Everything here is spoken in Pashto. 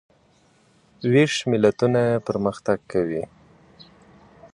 ویښ ملتونه پرمختګ کوي.